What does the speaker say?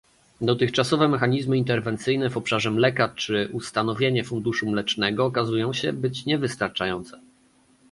Dotychczasowe mechanizmy interwencyjne w obszarze mleka czy ustanowienie Funduszu Mlecznego okazują się być niewystarczające